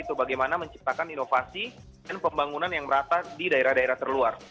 itu bagaimana menciptakan inovasi dan pembangunan yang merata di daerah daerah terluar